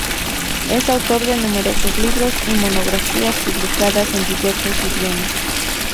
Es autor de numerosos libros y monografías, publicados en diversos idiomas.